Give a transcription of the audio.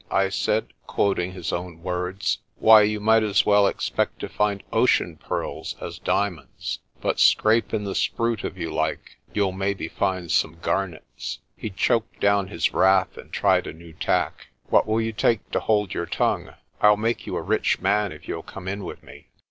I said, quoting his own words. "Why, you might as well expect to find ocean pearls as diamonds. But scrape in the spruit if you like; you'll maybe find some garnets." He choked down his wrath, and tried a new tack. "What will you take to hold your tongue? I'll make you a rich man if you'll come in with me."